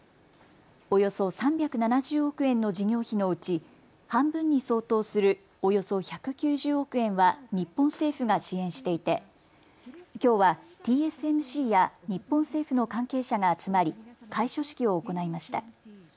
およそ３７０億円の事業費のうち半分に相当するおよそ１９０億円は日本政府が支援していてきょうはＴＳＭＣや日本政府の関係者が集まり開所式を行いました。